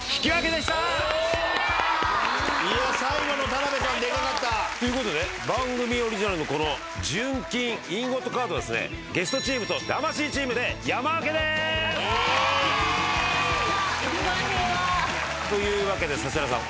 最後の田辺さんでかかった！ということで番組オリジナルの純金インゴットカードはゲストチームと魂チームで山分けです！というわけで指原さん。